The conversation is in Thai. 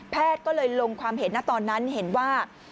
ก็เลยลงความเห็นนะตอนนั้นเห็นว่า